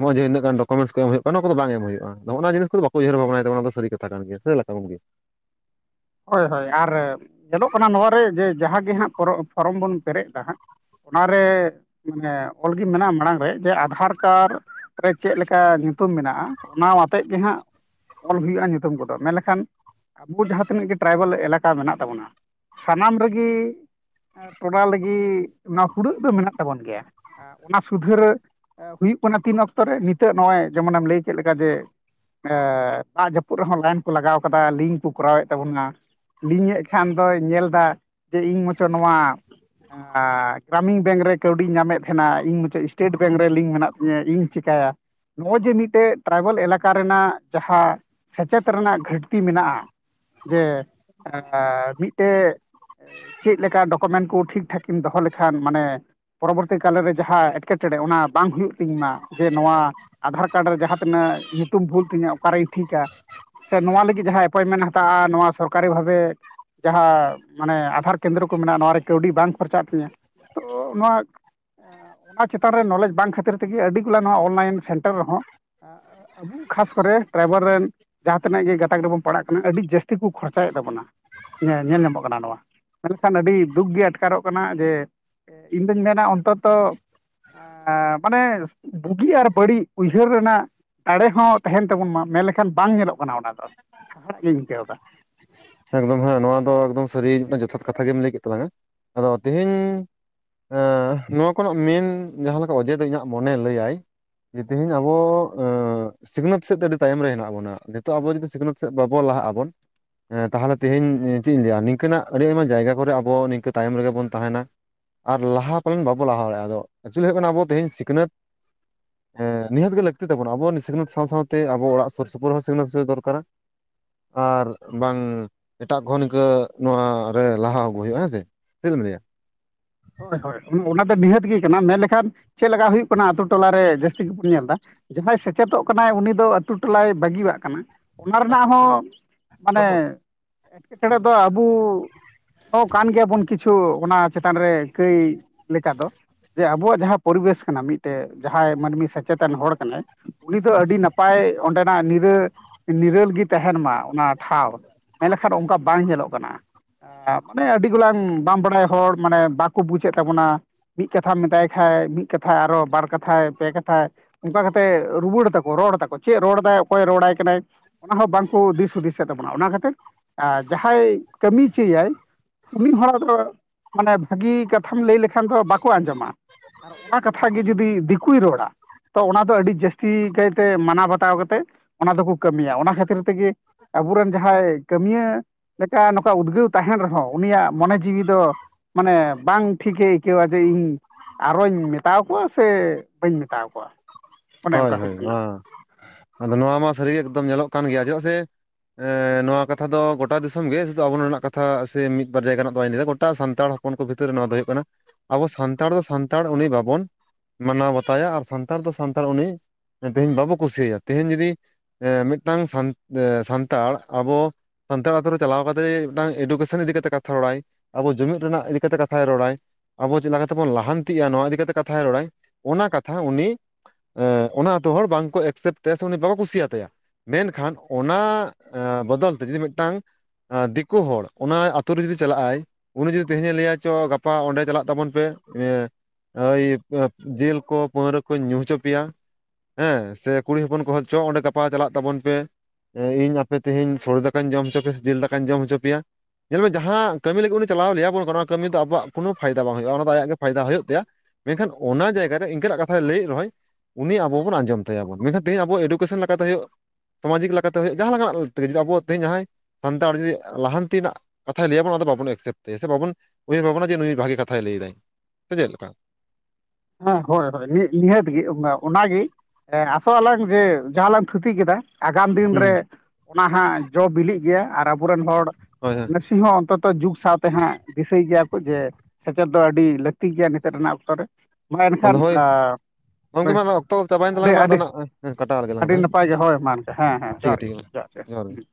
ᱱᱚᱜᱼ ᱡᱮ ᱤᱱᱟᱹᱜᱟᱱ ᱰᱚᱠᱩᱢᱴ ᱮᱢ ᱦᱩᱭᱩᱜ ᱠᱟᱱᱟ ᱚᱱᱟ ᱠᱚᱫᱚ ᱵᱟᱝ ᱮᱢ ᱦᱩᱭᱩᱜᱼᱟ ᱱᱚᱣᱟ ᱡᱤᱱᱤᱥᱫᱚ ᱵᱟᱠᱚ ᱩᱭᱟᱹᱨ ᱵᱷᱟᱵᱽᱱᱟᱭᱟ ᱚᱱᱟ ᱫᱚ ᱥᱟᱹᱨᱤᱛᱷᱟ ᱠᱟᱱ ᱜᱮᱭᱟ᱾ ᱥᱮ ᱪᱮᱫ ᱞᱮᱠᱟ ᱜᱚᱝᱠᱮ? ᱦᱳᱭ ᱦᱳᱭ ᱟᱨ ᱧᱮᱞᱚᱜ ᱠᱟᱱᱟ ᱱᱚᱣᱟᱨᱮ ᱡᱮ ᱡᱟᱦᱟᱸᱜ ᱜᱮ ᱦᱟᱸᱜ ᱯᱷᱚᱨᱚᱢ ᱵᱚᱱ ᱯᱮᱨᱮᱡ ᱮᱫᱟ ᱦᱟᱸᱜ ᱚᱱᱟᱨᱮ ᱢᱟᱱᱮ ᱚᱞᱜᱮ ᱢᱮᱱᱟᱜᱼᱟ ᱢᱟᱲᱟᱝ ᱨᱮ ᱡᱮ ᱟᱫᱷᱟᱨ ᱠᱟᱨᱰ ᱨᱮ ᱪᱮᱫ ᱞᱮᱠᱟ ᱧᱩᱛᱩᱢ ᱢᱮᱱᱟᱜᱼᱟ ᱚᱱᱟ ᱟᱛᱮᱫ ᱜᱮ ᱦᱟᱸᱜ ᱚᱞ ᱦᱩᱭᱩᱜᱼᱟ ᱧᱩᱛᱩᱢ ᱠᱚᱫᱚ ᱢᱮᱱ ᱞᱮᱠᱷᱟᱱ ᱟᱵᱚ ᱡᱟᱦᱟᱸ ᱛᱤᱱᱟᱹᱜ ᱜᱮ ᱴᱮᱨᱟᱭᱵᱮᱞ ᱮᱞᱟᱠᱟ ᱢᱮᱱᱟᱜ ᱛᱟᱵᱚᱱᱟ, ᱥᱟᱱᱟᱢ ᱨᱮᱜᱤ ᱴᱚᱞᱟ ᱞᱟᱹᱜᱤᱫ ᱚᱱᱟ ᱦᱩᱲᱟᱹᱜ ᱫᱚ ᱢᱮᱱᱟᱜ ᱛᱟᱵᱚᱱ ᱜᱮᱭᱟ᱾ ᱚᱱᱟ ᱥᱩᱫᱷᱟᱹᱨ ᱦᱩᱭᱩᱜ ᱠᱟᱱᱟ ᱛᱤᱱ ᱚᱠᱛᱚ ᱨᱮ ᱱᱤᱛᱚᱜ ᱱᱚᱜᱼᱚᱭ ᱡᱮᱢᱚᱱᱮᱢ ᱞᱟᱹᱭ ᱠᱮᱫ ᱞᱮᱠᱟ ᱡᱮ ᱫᱟᱜ ᱡᱟᱹᱯᱩᱫ ᱨᱮᱦᱚᱸ ᱞᱟᱭᱤᱱ ᱠᱚ ᱞᱟᱜᱟᱣ ᱟᱠᱟᱫᱟ ᱞᱤᱝᱠ ᱠᱚ ᱠᱚᱨᱟᱣᱮᱫ ᱛᱟᱵᱚᱱᱟ ᱞᱤᱧᱮᱫ ᱠᱷᱟᱱ ᱫᱚᱭ ᱧᱮᱞ ᱫᱟ ᱡᱮ ᱤᱧ ᱢᱪᱚ ᱱᱚᱣᱟ ᱜᱨᱟᱢᱤᱱ ᱵᱮᱝᱠ ᱨᱮ ᱠᱟᱹᱣᱰᱤᱧ ᱧᱟᱢᱮᱫ ᱛᱟᱦᱮᱱᱟ ᱤᱧ ᱢᱩᱪᱟᱹᱫ ᱥᱴᱮᱴ ᱵᱮᱝᱠ ᱨᱮ ᱞᱤᱝᱠ ᱢᱮᱱᱟᱜ ᱛᱤᱧᱟᱹ ᱤᱧ ᱪᱤᱠᱟᱹᱭᱟ? ᱱᱚᱜᱼᱚᱭ ᱡᱮ ᱢᱤᱫᱴᱮᱡ ᱴᱮᱨᱟᱭᱵᱮᱞ ᱮᱞᱟᱠᱟ ᱨᱮᱱᱟᱜ ᱡᱟᱦᱟᱸ ᱥᱮᱪᱮᱫ ᱨᱮᱱᱟᱜ ᱜᱷᱟᱹᱴᱛᱤ ᱢᱮᱱᱟᱜᱼᱟ, ᱡᱮ ᱢᱤᱫᱴᱮᱡ ᱪᱮᱫ ᱞᱮᱠᱟ ᱰᱚᱠᱚᱢᱮᱱᱴ ᱠᱚ ᱴᱷᱤᱠ ᱴᱷᱟᱠ ᱫᱚᱦᱚ ᱞᱮᱠᱷᱟᱱ ᱢᱟᱱᱮ ᱯᱚᱨᱚᱵᱚᱨᱛᱤ ᱠᱟᱞᱨᱮ ᱡᱟᱦᱟᱸ ᱮᱴᱠᱮᱴᱚᱬᱮ ᱚᱱᱟ ᱵᱟᱝ ᱦᱩᱭᱩᱜ ᱛᱤᱧ ᱢᱟ ᱡᱮ ᱱᱚᱣᱟ ᱟᱫᱷᱟᱨ ᱠᱟᱨᱰ ᱨᱮ ᱡᱟᱦᱟᱸ ᱛᱤᱱᱟᱹᱜ ᱧᱩᱛᱩᱢ ᱵᱷᱩᱞ ᱛᱤᱧᱟᱹ ᱚᱠᱟᱨᱮᱧ ᱴᱷᱤᱠᱼᱟ ᱥᱮ ᱱᱚᱣᱟ ᱞᱟᱹᱜᱤᱫ ᱡᱟᱦᱟᱸᱭ ᱮᱯᱚᱭᱢᱮᱱᱴ ᱦᱟᱛ ᱢᱮᱛᱟᱜᱼᱟ, ᱱᱚᱣᱟ ᱥᱚᱨᱠᱟᱨᱤ ᱵᱷᱟᱹᱵᱮ ᱡᱟᱦᱟᱸ ᱢᱟᱱᱮ ᱟᱫᱷᱟᱨ ᱠᱮᱱᱫᱨᱚ ᱠᱚ ᱢᱮᱱᱟᱜᱼᱟ, ᱱᱚᱣᱟ ᱨᱮ ᱠᱟᱹᱣᱰᱤ ᱵᱟᱝ ᱠᱷᱚᱨᱪᱟᱜ ᱛᱤᱧᱟᱹ᱾ ᱛᱚ ᱱᱚᱣᱟ ᱱᱚᱣᱟ ᱪᱮᱛᱟᱱ ᱨᱮ ᱱᱚᱞᱮᱡᱽ ᱵᱟᱝ ᱠᱷᱟᱹᱛᱤᱨ ᱛᱮᱜᱮ ᱟᱹᱰᱤ ᱜᱩᱞᱟ ᱱᱚᱣᱟ ᱚᱱᱞᱟᱭᱤᱱ ᱥᱮᱱᱴᱟᱨ ᱨᱮᱦᱚᱸ, ᱟ ᱟᱵᱚ ᱠᱷᱟᱥ ᱠᱚᱨᱮ ᱴᱨᱟᱭᱵᱮᱞ ᱨᱮᱱ ᱡᱟᱦᱟᱸ ᱛᱤᱱᱟᱹᱜ ᱜᱮ ᱜᱟᱛᱟᱠ ᱨᱮᱵᱚᱱ ᱯᱟᱲᱟᱜ ᱠᱟᱱᱟ᱾ ᱟᱹᱰᱤ ᱡᱟᱹᱥᱛᱤ ᱠᱚ ᱠᱷᱚᱨᱪᱟᱭ ᱮᱫ ᱛᱟᱵᱚᱱᱟ᱾ ᱧᱮᱞ ᱧᱟᱢᱚᱜ ᱠᱟᱱᱟ ᱱᱚᱣᱟ᱾ ᱢᱮᱱᱠᱷᱟᱱ ᱟᱹᱰᱤ ᱫᱩᱠ ᱜᱮ ᱟᱴᱠᱟᱨᱚᱜ ᱠᱟᱱᱟ ᱡᱮ ᱤᱧᱫᱩᱧ ᱢᱮᱱᱟ, ᱚᱱᱛᱚᱛᱚ ᱢᱟᱱᱮ ᱵᱩᱜᱤ ᱟᱨ ᱵᱟᱹᱲᱤᱡ ᱩᱭᱦᱟᱹᱨ ᱨᱮᱱᱟᱜ ᱫᱟᱲᱮ ᱦᱚᱸ ᱛᱟᱦᱮᱱ ᱛᱟᱵᱚᱱ ᱢᱟ ᱢᱮᱱᱞᱮᱠᱷᱟᱱ ᱵᱟᱝ ᱧᱮᱞᱚᱜ ᱠᱟᱱᱟ ᱚᱱᱟ ᱫᱚ ᱦᱟᱦᱟᱲᱟᱜ ᱜᱤᱧ ᱟᱹᱭᱠᱟᱹᱣᱫᱟ᱾ ᱮᱠᱫᱚᱢ ᱦᱮᱸ ᱱᱚᱣᱟ ᱫᱚ ᱮᱠᱫᱚᱢ ᱥᱟᱹᱨᱤ ᱡᱚᱛᱷᱟᱛ ᱠᱟᱛᱷᱟ ᱜᱮᱢ ᱞᱟᱹᱭ ᱠᱮᱫ ᱛᱟᱞᱟᱝᱼᱟ, ᱟᱫᱚ ᱛᱤᱦᱤᱧ ᱮ ᱱᱚᱣᱟ ᱠᱚᱨᱮᱱᱟᱜ ᱢᱮᱱ ᱡᱟᱦᱟᱸ ᱞᱮᱠᱟ ᱚᱡᱮ ᱫᱚ ᱤᱧᱟᱹᱜ ᱢᱚᱱᱮ ᱞᱟᱹᱭᱟᱭ ᱡᱮ ᱛᱮᱦᱤᱧ ᱟᱵᱚ ᱥᱤᱠᱷᱱᱟᱹᱛ ᱥᱮᱫ ᱫᱚ ᱟᱹᱰᱤ ᱛᱟᱭᱚᱢ ᱨᱮ ᱦᱮᱱᱟᱜ ᱵᱚᱱᱟ, ᱱᱤᱛᱚᱜ ᱟᱵᱚ ᱡᱩᱫᱤ ᱥᱤᱠᱷᱱᱟᱹᱛ ᱥᱮᱫ ᱵᱟᱵᱚ ᱞᱟᱦᱟᱜ ᱟᱵᱚᱱ ᱦᱮᱸ ᱛᱟᱦᱞᱮ ᱛᱮᱦᱤᱧ ᱪᱮᱫ ᱤᱧ ᱞᱟᱹᱭᱟ ᱱᱤᱝᱠᱟᱹᱱᱟᱜ ᱟᱹᱰᱤ ᱟᱭᱢᱟ ᱡᱟᱭᱜᱟ ᱠᱚᱨᱮᱜ ᱟᱵᱚ ᱱᱤᱝᱠᱟᱹ ᱛᱟᱭᱚᱢ ᱨᱮᱜᱮ ᱵᱚᱱ ᱛᱟᱦᱮᱱᱟ᱾ ᱟᱨ ᱞᱟᱦᱟ ᱯᱟᱞᱮᱱ ᱵᱟᱚ ᱞᱟᱦᱟ ᱫᱟᱲᱮᱭᱟᱜᱼᱟ᱾ ᱟᱫᱚ ᱮᱠᱪᱩᱭᱤ ᱦᱩᱭᱩᱜ ᱠᱟᱱᱟ, ᱟᱵᱚ ᱛᱮᱦᱤᱧ ᱥᱤᱠᱷᱱᱟᱹᱛ [inaudible] ᱱᱤᱦᱛ ᱜᱮ ᱞᱟᱹᱠᱛᱤ ᱛᱟᱵᱚ ᱟᱵᱚ ᱥᱤᱠᱷᱱᱟᱛ ᱥᱟᱶ ᱥᱟᱶᱛᱮ ᱟᱵᱚ ᱚᱲᱟᱜ ᱥᱩᱨ ᱥᱩᱯᱩᱨ ᱦᱚᱸ ᱥᱤᱠᱷᱱᱟᱹᱛ ᱫᱚᱨᱠᱟᱨᱟ᱾ ᱟᱨ ᱵᱟᱝ ᱮᱴᱟᱜ ᱠᱷᱚᱱᱚᱸ ᱱᱤᱝᱠᱟᱹ ᱱᱚᱣᱟ ᱨᱮ ᱞᱟᱦᱟ ᱟᱹᱜᱩ ᱦᱩᱭᱩᱜᱼᱟ ᱦᱮᱸᱥᱮ᱾ ᱪᱮᱫ ᱮᱢ ᱞᱟᱹᱭᱟ ᱦᱳᱭ ᱦᱳᱭ ᱚᱱᱟ ᱫᱚ ᱱᱤᱦᱟᱹᱛ ᱜᱮ ᱠᱟᱱᱟ ᱢᱮᱱ ᱞᱮᱠᱷᱟᱱ ᱪᱮᱫ ᱞᱮᱠᱟ ᱦᱩᱭᱩᱜ ᱠᱟᱱᱟ᱾ ᱟᱹᱛᱩ ᱴᱚᱞᱟ ᱨᱮ ᱡᱟᱹᱥᱛᱤ ᱛᱮᱜᱮ ᱵᱚᱱ ᱧᱮᱞ ᱮᱫᱟ᱾ ᱡᱟᱦᱟᱸᱭ ᱥᱮᱪᱮᱫᱚᱜ ᱠᱟᱱᱟᱭ ᱩᱱᱤ ᱫᱚ ᱟᱹᱛᱩ ᱴᱚᱞᱟᱭ ᱵᱟᱹᱜᱤᱭᱟᱜ ᱠᱟᱱᱟ᱾ ᱚᱱᱟ ᱨᱮᱱᱟᱜ ᱦᱚᱸ ᱢᱟᱱᱮ ᱮᱴᱠᱮᱴᱚᱬᱮ ᱫᱚ ᱟᱵᱚ ᱦᱚᱸ ᱠᱟᱱ ᱜᱮᱭᱟᱵᱚᱱ ᱠᱤᱪᱷᱩ ᱚᱱᱟ ᱪᱮᱛᱟᱱ ᱨᱮ ᱠᱟᱹᱭ ᱞᱮᱠᱟ ᱫᱚ ᱡᱮ ᱟᱵᱚᱣᱟᱜ ᱡᱟᱦᱟᱸ ᱯᱚᱨᱤᱵᱮᱥ ᱠᱟᱱᱟ ᱢᱤᱫᱴᱮᱡ ᱡᱟᱦᱟᱸᱭ ᱢᱟᱹᱱᱢᱤ ᱥᱮᱪᱮᱛᱟᱱ ᱦᱚᱲ ᱠᱟᱱᱟᱭ ᱩᱱᱤ ᱫᱚ ᱟᱹᱰᱤ ᱱᱟᱯᱟᱭ ᱚᱸᱰᱮᱱᱟᱜ ᱱᱤᱨᱟᱹ ᱱᱤᱨᱟᱹᱞ ᱜᱮ ᱛᱟᱦᱮᱱ ᱢᱟ ᱚᱱᱟ ᱴᱷᱟᱶ ᱢᱮᱱ ᱞᱮᱠᱷᱟᱱ ᱚᱱᱠᱟ ᱵᱟᱝ ᱧᱮᱞᱚᱜ ᱠᱟᱱᱟ ᱢᱟᱱᱮ ᱟᱹᱰᱤ ᱜᱚᱞᱟᱝ ᱵᱟᱝ ᱵᱟᱲᱟᱭ ᱦᱚᱲ ᱢᱟᱱᱮ ᱵᱟ ᱠᱚ ᱵᱩᱡᱮᱫ ᱛᱟᱵᱚᱱᱟ, ᱢᱤᱫ ᱠᱟᱛᱷᱟᱢ ᱢᱮᱛᱟᱭ ᱠᱷᱟᱭ ᱢᱤᱫ ᱠᱟᱛᱷᱟᱭ ᱟᱨᱚ ᱵᱟᱨ ᱠᱟᱛᱷᱟᱭ ᱯᱮ ᱠᱟᱛᱷᱟᱭ ᱚᱱᱠᱟ ᱠᱟᱛᱮᱫ ᱨᱩᱣᱟᱹᱲ ᱛᱟᱠᱚ ᱨᱚᱲ ᱛᱟᱠᱚ ᱪᱮᱫ ᱨᱚᱲ ᱫᱟᱭ ᱚᱠᱚᱭ ᱨᱚᱲᱟᱭ ᱠᱟᱱᱟᱭ᱾ ᱚᱱᱟ ᱦᱚᱸ ᱵᱟᱝ ᱠᱚ ᱫᱤᱥ ᱦᱩᱫᱤᱥᱮᱫ ᱛᱟᱵᱚᱱᱟ, ᱚᱱᱟ ᱠᱷᱟᱹᱛᱤᱨ ᱟ ᱡᱟᱦᱟᱸᱭ ᱠᱟᱹᱢᱤ ᱦᱚᱪᱚᱭᱮᱟᱭ ᱩᱱᱤ ᱦᱚᱲᱟᱜ ᱫᱚ ᱢᱟᱱᱮ ᱵᱷᱟᱹᱜᱤ ᱠᱟᱛᱷᱟᱢ ᱞᱟᱹᱭ ᱞᱮᱠᱷᱟᱱ ᱫᱚ ᱵᱟᱠᱚ ᱟᱸᱡᱚᱢᱟ ᱟᱨ ᱚᱱᱟ ᱠᱟᱛᱷᱟ ᱜᱮ ᱡᱩᱫᱤ ᱫᱤᱠᱩᱭ ᱨᱚᱲᱟ ᱛᱚ ᱚᱱᱟ ᱫᱚ ᱟᱹᱰᱤ ᱡᱟᱹᱥᱛᱤ ᱠᱟᱭᱛᱮ ᱢᱟᱱᱟᱣ ᱵᱟᱛᱟᱣ ᱠᱟᱛᱮ᱾ ᱚᱱᱟ ᱫᱚᱠᱚ ᱠᱟᱹᱢᱤᱭᱟ ᱚᱱᱟ ᱠᱷᱟᱹᱛᱤᱨ ᱛᱮᱜᱮ ᱟᱵᱚᱨᱮᱱ ᱡᱟᱦᱟᱸᱭ ᱠᱟᱹᱢᱤᱭᱟᱹ ᱞᱮᱠᱟ ᱱᱚᱝᱠᱟ ᱩᱫᱽᱜᱟᱹᱣ ᱛᱟᱦᱮᱱ ᱨᱮᱦᱚᱸ ᱩᱱᱤᱭᱟᱜ ᱢᱚᱱᱮ ᱡᱤᱣᱤ ᱫᱚ ᱢᱟᱱᱮ ᱵᱟᱝ ᱴᱷᱤᱠ ᱜᱮ ᱟᱹᱭᱠᱟᱹᱣᱟ ᱡᱮ ᱤᱧ ᱟᱨᱚᱧ ᱢᱮᱛᱟᱣ ᱠᱚᱣᱟ ᱥᱮ ᱵᱟᱹᱧ ᱢᱮᱛᱟᱣ ᱠᱚᱣᱟ? ᱚᱱᱮ ᱚᱱᱠᱟ ᱦᱳᱭ ᱦᱩᱭᱩᱜ ᱦᱳᱭ ᱠᱟᱱᱟ ᱟᱫᱚ ᱱᱚᱣᱟ ᱢᱟ ᱥᱟᱹᱨᱤ ᱜᱮ ᱮᱠᱫᱚᱢ ᱧᱮᱞᱚᱜ ᱠᱟᱱ ᱜᱮᱭᱟ ᱪᱮᱫᱟᱜ ᱥᱮ ᱱᱚᱣᱟ ᱠᱟᱛᱷᱟ ᱫᱚ ᱜᱚᱴᱟ ᱫᱤᱥᱚᱢ ᱜᱮ ᱥᱩᱫᱷᱩ ᱟᱵᱚ ᱨᱮᱱᱟᱜ ᱠᱟᱛᱷᱟ ᱥᱮ ᱢᱤᱫ ᱵᱟᱨ ᱡᱟᱭᱜᱟ ᱨᱮᱱᱟᱜ ᱵᱟᱧ ᱞᱟᱹᱭᱫᱟ ᱜᱚᱴᱟ ᱥᱟᱱᱛᱟᱲ ᱦᱚᱯᱚᱱ ᱩᱱᱠᱩ ᱵᱷᱤᱛᱨᱤ ᱨᱮ ᱱᱚᱣᱟ ᱫᱚ ᱦᱩᱭᱩᱜ ᱠᱟᱱᱟ᱾ ᱟᱵᱚ ᱥᱟᱱᱛᱟᱲ ᱫᱚ ᱥᱟᱱᱛᱟᱲ ᱩᱱᱤ ᱵᱟᱵᱚᱱ ᱢᱟᱱᱟᱣ ᱵᱟᱛᱟᱭᱟ ᱟᱨ ᱥᱟᱱᱛᱟᱲ ᱫᱚ ᱥᱟᱱᱛᱟᱲ ᱩᱱᱤ ᱛᱮᱦᱤᱧ ᱵᱟᱵᱚ ᱠᱩᱥᱤᱭᱟᱭᱟ᱾ ᱛᱮᱦᱤᱧ ᱡᱩᱫᱤ ᱢᱤᱫᱴᱟᱹᱝ ᱥᱟᱱ ᱥᱟᱱᱛᱟᱲ ᱟᱵᱚ ᱥᱟᱱᱛᱟᱲ ᱟᱹᱛᱩ ᱨᱮ ᱪᱟᱞᱟᱣ ᱠᱟᱛᱮᱫ ᱢᱤᱫᱴᱟᱹᱝ ᱮᱰᱩᱠᱮᱥᱚᱱ ᱤᱫᱤ ᱠᱟᱛᱮ ᱠᱟᱛᱷᱟ ᱨᱚᱲᱟᱭ ᱟᱵᱚ ᱡᱩᱢᱤᱫ ᱨᱮᱱᱟᱜ ᱤᱫᱤ ᱠᱟᱛᱮ ᱠᱟᱛᱷᱟᱭ ᱨᱚᱲᱟᱭ᱾ ᱟᱵᱚ ᱪᱮᱫ ᱞᱮᱠᱟᱛᱮᱵᱚᱱ ᱞᱟᱦᱟᱱᱛᱤᱜᱼᱟ᱾ ᱱᱚᱣᱟ ᱤᱫᱤ ᱠᱟᱛᱮ ᱠᱟᱛᱷᱟᱭ ᱨᱚᱲᱟᱭ ᱚᱱᱟ ᱠᱟᱛᱷᱟ ᱩᱱᱤ ᱚᱱᱟ ᱟᱹᱛᱩ ᱦᱚᱲ ᱵᱟᱝᱠᱚ ᱮᱠᱥᱮᱯᱴ ᱛᱟᱭᱟ ᱥᱮ ᱩᱱᱤ ᱵᱟᱠᱚ ᱠᱩᱥᱤᱭᱟᱜ ᱛᱟᱭᱟ᱾ ᱢᱮᱱᱠᱷᱟᱱ ᱚᱱᱟ ᱵᱚᱫᱚᱞ ᱛᱮ ᱡᱩᱫᱤ ᱢᱤᱫᱴᱟᱝ ᱫᱤᱠᱩ ᱦᱚᱲ, ᱚᱱᱟ ᱟᱛᱩ ᱨᱮ ᱡᱩᱫᱤ ᱪᱟᱞᱟᱜᱼ ᱟᱭᱼᱼ ᱩᱱᱤ ᱡᱩᱫᱤ ᱛᱮᱦᱮᱧᱮ ᱞᱟᱹᱭᱟ ᱪᱚ ᱜᱟᱯᱟ ᱚᱸᱰᱮ ᱪᱟᱞᱟᱜ ᱛᱟᱵᱚᱱ ᱯᱮ ᱾ ᱦᱚᱭ ᱡᱤᱞ ᱠᱚ ᱯᱟᱹᱣᱨᱟᱹ ᱠᱚᱧ ᱧᱩ ᱦᱚᱪᱚ ᱯᱮᱭᱟ ᱾ ᱦᱮᱸ, ᱥᱮ ᱠᱩᱲᱤ ᱦᱚᱯᱚᱱ ᱠᱚᱦᱚᱸ ᱪᱚ ᱚᱸᱰᱮ ᱜᱟᱯᱟ ᱪᱟᱞᱟᱜ ᱛᱟᱵᱚᱱ ᱯᱮ ᱾ ᱤᱧ ᱟᱯᱮ ᱛᱮᱦᱮᱧ ᱥᱚᱲᱮ ᱫᱟᱠᱟᱧ ᱡᱚᱢ ᱦᱚᱪᱚ ᱯᱮᱭᱟ ᱥᱮ ᱡᱤᱞ ᱫᱟᱠᱟᱧ ᱡᱚᱢ ᱦᱚᱪᱚ ᱯᱮᱭᱟ ᱾ ᱧᱮᱞ ᱢᱮ ᱡᱟᱦᱟᱸ ᱠᱟᱹᱢᱤ ᱞᱟᱹᱜᱤᱫ ᱩᱱᱤ ᱪᱟᱞᱟᱣ ᱞᱟᱹᱭᱟ ᱵᱚᱱ ᱠᱟᱱᱟ ᱚᱱᱟ ᱠᱟᱹᱢᱤ ᱫᱚ ᱟᱵᱚᱣᱟᱜ ᱠᱚᱱᱚ ᱯᱷᱟᱭᱫᱟ ᱵᱟᱝ ᱦᱩᱭᱩᱜᱼᱟ, ᱚᱱᱟ ᱫᱚ ᱟᱭᱟᱜ ᱜᱮ ᱯᱷᱟᱭᱫᱟ ᱦᱩᱭᱩᱜ ᱛᱟᱭᱟ ᱾ ᱢᱮᱱᱠᱷᱟᱱ ᱚᱱᱟ ᱡᱟᱭᱜᱟ ᱨᱮ, ᱤᱱᱠᱟᱹᱱᱟᱜ ᱠᱟᱛᱷᱟᱭ ᱞᱟᱹᱭᱮᱫ ᱨᱮᱦᱚᱸᱭᱼᱼ ᱩᱱᱤ ᱟᱵᱚ ᱵᱚᱱ ᱟᱸᱡᱚᱢ ᱛᱟᱭᱟᱵᱚᱱ, ᱢᱮᱱᱠᱷᱟᱱ ᱛᱮᱦᱤᱧ ᱟᱵᱚ ᱮᱰᱩᱠᱮᱥᱚᱱ ᱞᱮᱠᱟᱛᱮ ᱦᱩᱭᱩᱜᱼᱼ ᱥᱟᱢᱟᱡᱤᱠ ᱞᱮᱠᱟᱛᱮ ᱦᱩᱭᱩᱜ ᱡᱟᱦᱟᱸ ᱞᱮᱠᱟᱱᱟᱜ ᱛᱮ ᱟᱵᱚ ᱛᱮᱦᱤᱧ ᱡᱟᱦᱟᱸᱭ, ᱥᱟᱱᱛᱟᱲ ᱡᱮ ᱞᱟᱦᱟᱱᱛᱤ ᱱᱟᱜᱼᱼ ᱠᱟᱛᱷᱟᱭ ᱞᱟᱹᱭ ᱟᱵᱚ ᱚᱱᱟ ᱫᱚ ᱵᱟᱵᱚᱱ ᱮᱠᱥᱮᱯᱴ ᱛᱟᱭᱟ, ᱥᱮ ᱵᱟᱵᱚᱱ ᱩᱭᱦᱟᱹᱨ ᱵᱷᱟᱵᱱᱟ ᱡᱮ ᱱᱩᱭ ᱵᱷᱟᱹᱜᱤ ᱠᱟᱛᱷᱟᱭ ᱞᱟᱹᱭ ᱮᱫᱟᱭ ᱥᱮ ᱪᱮᱫ ᱞᱮᱠᱟ ᱾ ᱦᱚᱸ ᱦᱚᱭ ᱦᱚᱭ ᱢᱤᱫ ᱱᱤᱦᱟᱹᱛ ᱜᱮ ᱚᱱᱟ ᱚᱱᱟᱜᱮᱼᱼ ᱦᱮᱸ ᱟᱥᱚᱜ ᱟᱞᱟᱝ ᱡᱮ ᱡᱟᱦᱟᱸ ᱞᱟᱝ ᱛᱷᱩᱛᱤ ᱠᱮᱫᱟ ᱾ ᱟᱜᱟᱢ ᱫᱤᱱ ᱦᱩᱸ ᱨᱮ ᱚᱱᱟ ᱦᱟᱸᱜ ᱡᱚ ᱵᱤᱞᱤᱜ ᱜᱮᱭᱟ, ᱟᱨ ᱟᱵᱚᱨᱮᱱ ᱦᱚᱲ ᱦᱳᱭ ᱦᱳᱭ ᱱᱟᱹᱥᱤ ᱦᱚᱸ ᱚᱱᱛᱚᱛᱼᱼ ᱡᱩᱜᱽ ᱥᱟᱶᱛᱮ ᱦᱚᱸᱜ ᱫᱤᱥᱟᱹᱭ ᱜᱮᱭᱟ ᱠᱚ ᱡᱮ, ᱥᱮᱪᱮᱫ ᱫᱚ ᱟᱹᱰᱤ ᱞᱟᱜᱛᱤ ᱜᱮᱭᱟ ᱱᱤᱛᱚᱜ ᱨᱮᱱᱟᱜ ᱚᱠᱛᱚ ᱨᱮ ᱾ ᱢᱟ ᱟᱫᱚ ᱮᱱᱠᱷᱟᱱ ᱦᱳᱭ [unintelligible] ᱜᱚᱝᱠᱮ ᱦᱳᱭ ᱢᱟ ᱚᱠᱛᱚ ᱪᱟᱵᱟᱭᱮᱱ ᱟᱹᱰᱤ ᱛᱟᱞᱟᱝ ᱢᱟ ᱟᱫᱚ ᱟᱹᱰᱤ ᱱᱟᱜ ᱠᱟᱴᱟᱣ ᱞᱮᱜᱮ [unintelligible] ᱞᱟᱝ ᱟᱹᱰᱤ ᱫᱚ ᱦᱮᱸ ᱱᱟᱯᱟᱭ ᱜᱮ ᱦᱳᱭ ᱢᱟ ᱚᱱᱠᱟ ᱦᱮᱸ ᱦᱮᱸ ᱴᱷᱤᱠ ᱜᱮᱭᱟ ᱡᱚᱦᱟᱨ ᱴᱷᱤᱠ ᱜᱮ ᱜᱮᱭᱟ ᱢᱟ ᱮ ᱦᱮᱸ ᱡᱚᱦᱟᱨ ᱜᱮ [unintelligible]